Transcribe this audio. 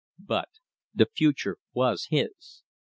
But the future was his.